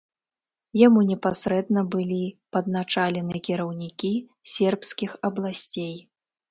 Яму непасрэдна былі падначалены кіраўнікі сербскіх абласцей.